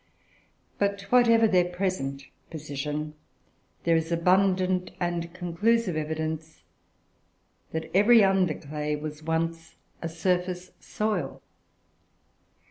But, whatever their present position, there is abundant and conclusive evidence that every under clay was once a surface soil.